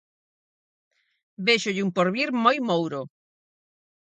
Véxolle un porvir moi mouro.